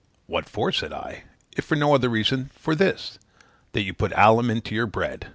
'What for?' said I; 'if for no other reason, for this that you put alum into your bread.